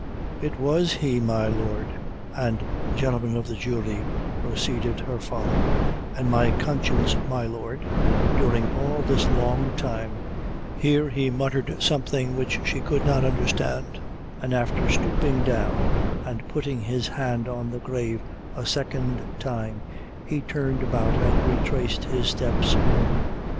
"It was he, my lord, and gentlemen of the jury," proceeded her father, "an' my conscience, my lord, during all this long time " He here muttered something which she could not understand, and after stooping down, and putting his hand on the grave a second time, he turned about and retraced his steps home.